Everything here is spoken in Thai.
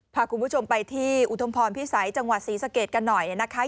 พาคุณผู้ชมไปที่อุทมพรพิสัยจังหวัดศรีสะเกดกันหน่อยนะคะ